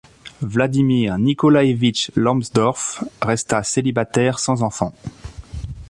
Vladimir Nikolaïevitch Lambsdorff resta célibataire sans enfants.